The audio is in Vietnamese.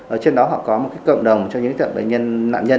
ở trên đó họ có một cộng đồng cho những bệnh nhân nạn nhân